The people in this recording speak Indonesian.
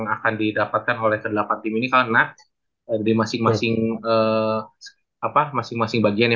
akan didapatkan oleh delapan tim ini karena dari masing masing apa masing masing bagiannya